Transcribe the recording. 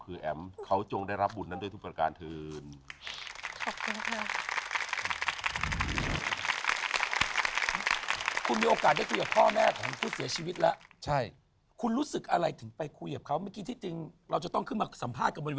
ขื่อแอ๋มเขาจงได้รับบุญนั้นคือทุกประการ